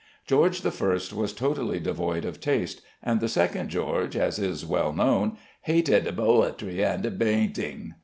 George I, was totally devoid of taste, and the second George (as is well known) hated "boetry and bainting."